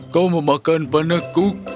kau memakan penekuk